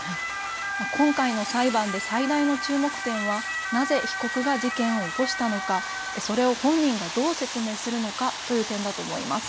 今回の裁判で最大の注目点はなぜ被告が事件を起こしたのか、それを本人がどう説明するのかという点だと思います。